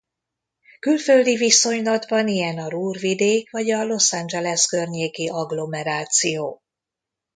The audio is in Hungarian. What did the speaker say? Külföldi viszonylatban ilyen a Ruhr-vidék vagy a Los Angeles környéki agglomeráció.